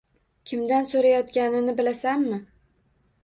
Kimdan so`rayotganingni bilasanmi